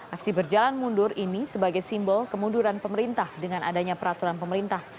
aksi berjalan mundur ini sebagai simbol kemunduran pemerintah dengan adanya peraturan pemerintah